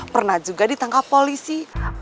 pernah juga ditangkap polisi